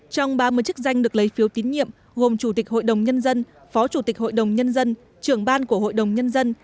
trong ba mươi chức danh được lấy phiếu tín nhiệm gồm chủ tịch hội đồng nhân dân phó chủ tịch hội đồng nhân dân trưởng ban của hội đồng nhân dân